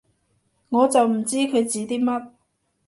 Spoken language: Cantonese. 我就唔知佢指啲乜